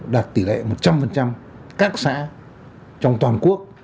đạt tỷ lệ một trăm linh các xã trong toàn quốc